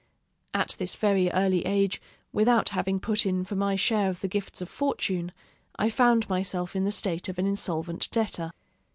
At this very early age, without having put in for my share of the gifts of fortune, I found myself in the state of an insolvent debtor.